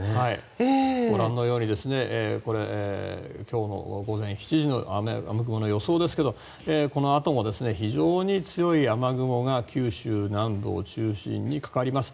ご覧のように今日の午前７時の雨雲の予想ですがこのあとも非常に強い雨雲が九州南部を中心にかかります。